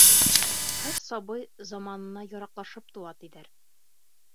Һәр сабый заманына яраҡлашып тыуа, тиҙәр.